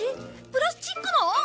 プラスチックの！？